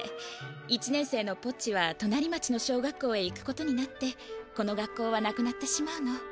１年生のポッチはとなり町の小学校へ行くことになってこの学校はなくなってしまうの。